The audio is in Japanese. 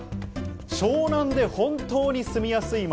湘南で本当に住みやすい街。